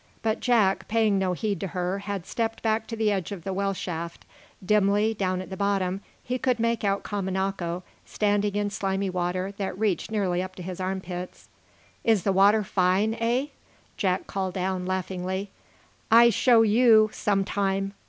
But Jack, paying no heed to her, had stepped back to the edge of the well shaft. Dimly, down at the bottom, he could make out Kamanako, standing in slimy water that reached nearly up to his arm pits. "Is the water fine, eh?" Jack called down, laughingly. "I show you some time!"